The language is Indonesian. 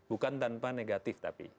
bukan tanpa negatif tapi